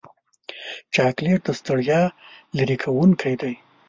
چاکلېټ د ستړیا لرې کوونکی دی.